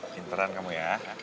pinteran kamu yah